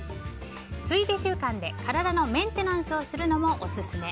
ついで習慣で体のメンテナンスをするのもオススメ。